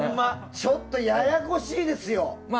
ちょっとややこしいですよ。